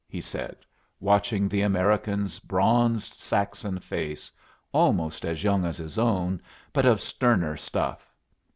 he said, watching the American's bronzed Saxon face, almost as young as his own, but of sterner stuff.